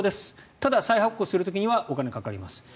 ただ、再発行する時にはお金がかかります。